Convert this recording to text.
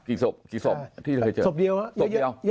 กี่ศพที่เคยเจอ